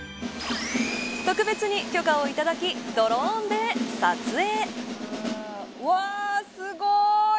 特別に許可を頂きドローンで撮影。